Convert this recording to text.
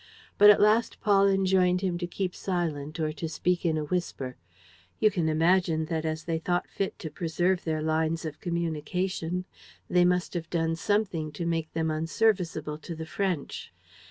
But at last Paul enjoined him to keep silent or to speak in a whisper: "You can imagine that, as they thought fit to preserve their lines of communication, they must have done something to make them unserviceable to the French.